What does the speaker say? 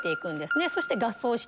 そして。